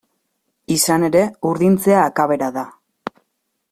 Izan ere, urdintzea akabera da.